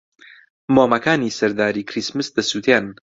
مۆمەکانی سەر داری کریسمس دەسووتێن.